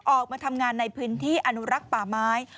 ออกมาทำงานในพื้นที่อนุรักษ์ป่าไม้